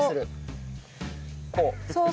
こう？